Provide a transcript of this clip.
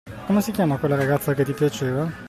Come si chiamava quella ragazza che ti piaceva?